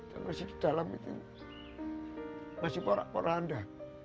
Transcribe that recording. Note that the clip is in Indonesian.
dan masih di dalam itu masih porak porak anda